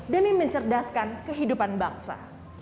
demi mencerdaskan kehidupan bangsa